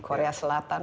di korea selatan